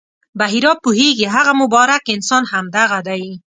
بحیرا پوهېږي هغه مبارک انسان همدغه دی.